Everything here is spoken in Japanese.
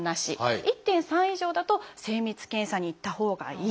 １．３以上だと精密検査に行ったほうがいい。